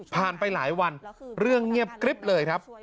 ไปหลายวันเรื่องเงียบกริ๊บเลยครับ